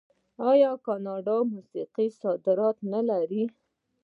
آیا د کاناډا موسیقي صادرات نلري؟